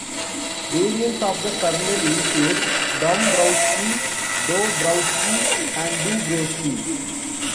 Variants of the surname include Dombrowski, Dobrowski, and Dobrosky.